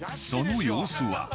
その様子は。